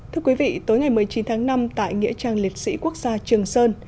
thưa quý vị tối ngày một mươi chín tháng năm tại nghĩa trang liệt sĩ quốc gia trường sơn